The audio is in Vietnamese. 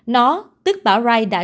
nó tức bão rai đã